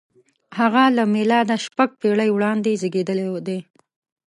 • هغه له مېلاده شپږ پېړۍ وړاندې زېږېدلی دی.